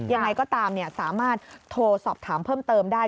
ยังไงก็ตามสามารถโทรสอบถามเพิ่มเติมได้